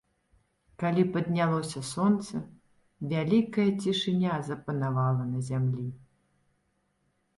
Калі паднялося сонца, вялікая цішыня запанавала на зямлі.